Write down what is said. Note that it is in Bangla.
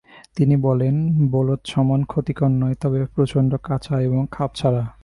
তিনি বলেন, "বোলৎসমান ক্ষতিকর নয়, তবে প্রচণ্ড কাঁচা এবং খাপছাড়া।